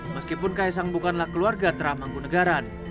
meskipun kaisang bukanlah keluarga pura mangkunegaran